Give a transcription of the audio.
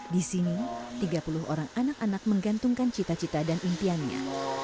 di sini tiga puluh orang anak anak menggantungkan cita cita dan impiannya